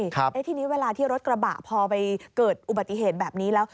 ทีนี้เวลาที่รถกระบะพอไปเกิดอุบัติเหตุแบบนี้แล้ว